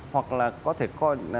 hoặc là có thể coi là